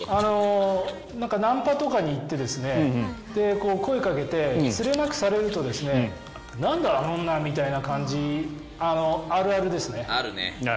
ナンパとかに行って声をかけてつれなくされるとなんだ、あの女みたいな感じあるね。